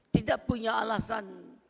tidak punya alasan